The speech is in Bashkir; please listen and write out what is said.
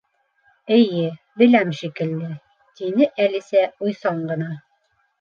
—Эйе, беләм шикелле, —тине Әлисә уйсан ғына.